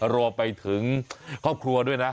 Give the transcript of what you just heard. รวมไปถึงครอบครัวด้วยนะ